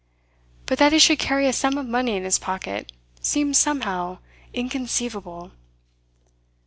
But that he should carry a sum of money in his pocket seemed somehow inconceivable.